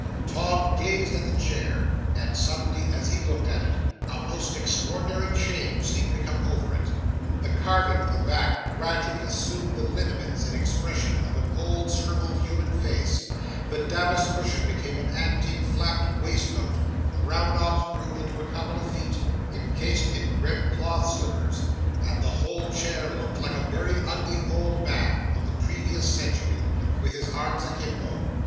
'Tom gazed at the chair; and, suddenly as he looked at it, a most extraordinary change seemed to come over it. The carving of the back gradually assumed the lineaments and expression of an old, shrivelled human face; the damask cushion became an antique, flapped waistcoat; the round knobs grew into a couple of feet, encased in red cloth slippers; and the whole chair looked like a very ugly old man, of the previous century, with his arms akimbo.